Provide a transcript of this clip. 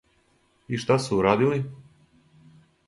И шта су урадили?